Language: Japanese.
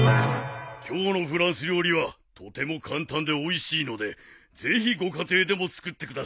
今日のフランス料理はとても簡単でおいしいのでぜひご家庭でも作ってください。